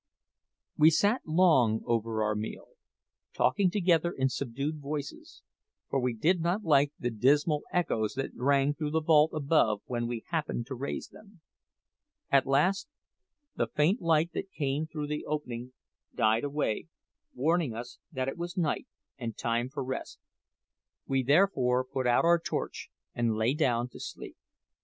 We sat long over our meal, talking together in subdued voices, for we did not like the dismal echoes that rang through the vault above when we happened to raise them. At last the faint light that came through the opening died away, warning us that it was night and time for rest. We therefore put out our torch and lay down to sleep.